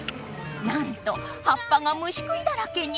なんとはっぱがむしくいだらけに！